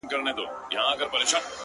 o زه ، ته او سپوږمۍ،